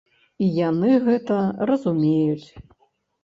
І яны гэта разумеюць.